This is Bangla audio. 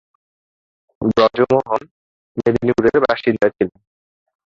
ব্রজমোহন মেদিনীপুরের বাসিন্দা ছিলেন।